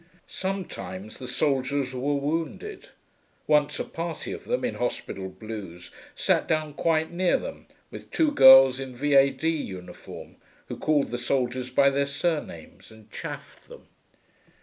Sometimes the soldiers were wounded; once a party of them, in hospital blues, sat down quite near them, with two girls in V.A.D. uniform, who called the soldiers by their surnames and chaffed them.